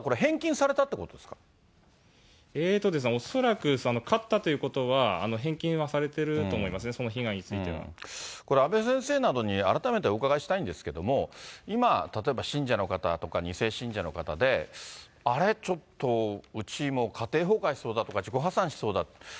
ということはこれ、恐らく、勝ったということは、返金はされてると思いますね、その被害については。これ、阿部先生などに、改めてお伺いしたいんですけど、今例えば信者の方とか、２世信者の方で、あれ、ちょっとうちも家庭崩壊しそうだとか、自己破産しそうだと。